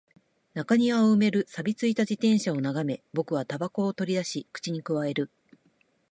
中庭を埋める錆び付いた自転車を眺め、僕は煙草を取り出し、口に咥える